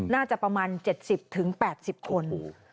น่าจะประมาณ๗๐๘๐คน